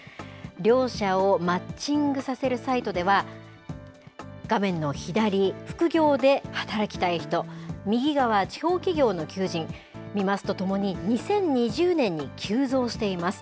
両者をマッチングさせるサイトでは、画面の左、副業で働きたい人、右側、地方企業の求人見ますとともに、２０２０年に急増しています。